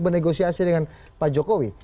bernegosiasi dengan pak jokowi